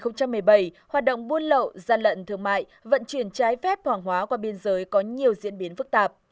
năm hai nghìn một mươi bảy hoạt động buôn lậu gian lận thương mại vận chuyển trái phép hoàng hóa qua biên giới có nhiều diễn biến phức tạp